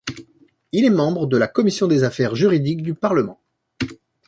Il est membre de la commission des affaires juridiques du Parlement.